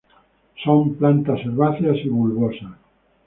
Son plantas herbáceas y bulbosas.